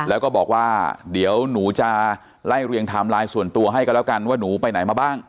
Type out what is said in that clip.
แล้วก็บอกว่าเดี๋ยวหนูจะไล่เรียงไทม์ไลน์ส่วนตัวให้กันแล้วกันว่าหนูไปไหนมาบ้าง